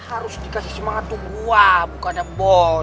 harus dikasih semangat tuh gua bukannya boy